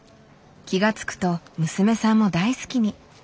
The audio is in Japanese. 気が付くと娘さんも大好きに。